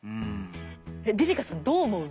りりかさんどう思う？